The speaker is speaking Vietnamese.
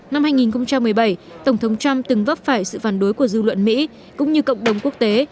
năm hai nghìn một mươi bảy tổng thống trump từng vấp phải sự phản đối của dư luận mỹ cũng như cộng đồng quốc tế